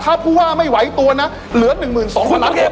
ถ้าผู้ห้าไม่ไหวตัวน่ะเหลือหนึ่งหมื่นสองพลักษณ์คุณพระเกียรติ